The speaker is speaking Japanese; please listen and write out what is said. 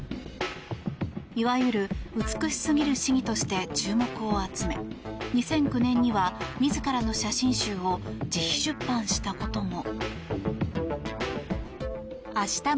いわゆる美しすぎる市議として注目を集め２００９年には自らの写真集を自費出版したことも。